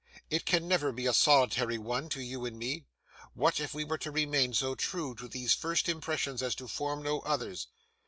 It can never be a solitary one to you and me. What if we were to remain so true to these first impressions as to form no others?